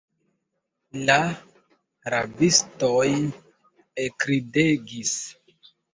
La rabistoj ekridegis.